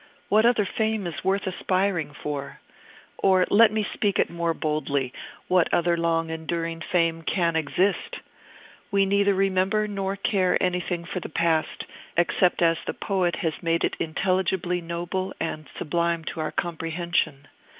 What other fame is worth aspiring for? Or, let me speak it more boldly, what other long enduring fame can exist? We neither remember nor care anything for the past, except as the poet has made it intelligibly noble and sublime to our comprehension.